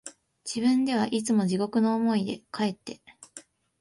自分ではいつも地獄の思いで、かえって、